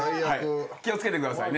気を付けてくださいね。